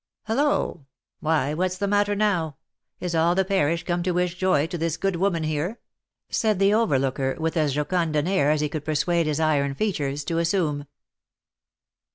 " Hollo! — why what's the matter now? Is all the parish come to wish joy to this good woman here ?" said the overlooker, with as jocund an air as he could persuade his iron features to assume.